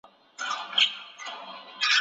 د انسان کلام د هغه د پوهې استازی دی.